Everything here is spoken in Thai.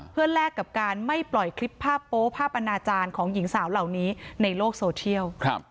เพื่อแลกกับการไม่ปล่อยคลิปภาพโป๊ภาพอนาจารย์ของหญิงสาวเหล่านี้ในโลกโซเทียล